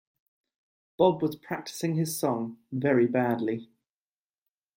Bob was practising his song, very badly.